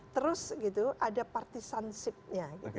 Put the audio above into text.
terus ada partisansipnya